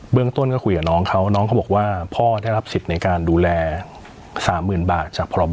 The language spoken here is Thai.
เรื่องต้นก็คุยกับน้องเขาน้องเขาบอกว่าพ่อได้รับสิทธิ์ในการดูแล๓๐๐๐บาทจากพรบ